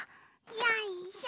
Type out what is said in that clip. よいしょ。